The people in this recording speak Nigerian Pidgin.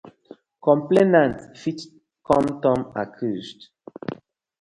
Complainant fit com turn accused.